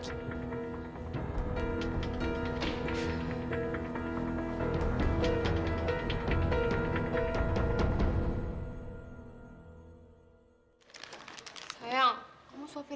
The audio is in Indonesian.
kau mau ngapain